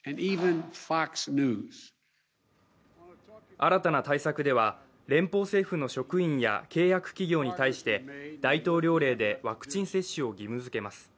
新たな対策では連邦政府の職員や契約企業に対して大統領令でワクチン接種を義務づけます。